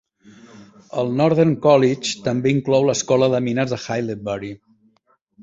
El Northern College també inclou L'Escola de Mines de Haileybury.